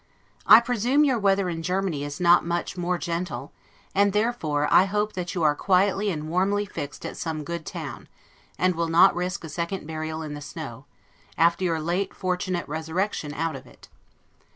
I presume, your weather in Germany is not much more gentle and, therefore, I hope that you are quietly and warmly fixed at some good town: and will not risk a second burial in the snow, after your late fortunate resurrection out of it.